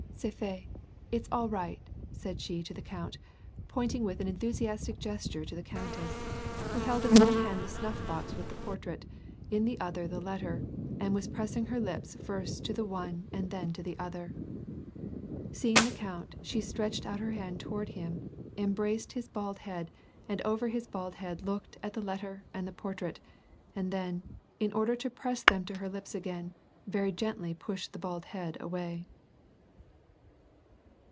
" C^est fait — it's all right," said she to the count, pointing with an enthusiastic gesture to the countess, who held in one hand the snuff box with the portrait, in the other the letter, and was pressing her lips first to the one and then to the other. Seeing the count, she stretched out her hand toward him, em braced his bald head, and over his bald head looked at the let ter and the portrait, and then, in order to press them to her lips again, gently pushed the bald head away.